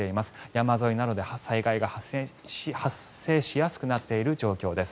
山沿いなどで災害が発生しやすくなっている状況です。